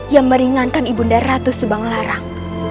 yang meringankan ibu nda ratu sebanglarang